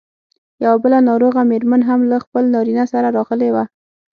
یوه بله ناروغه مېرمن هم له خپل نارینه سره راغلې وه.